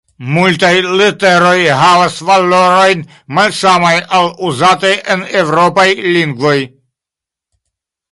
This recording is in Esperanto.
Multaj literoj havas valorojn malsamaj al uzataj en eŭropaj lingvoj.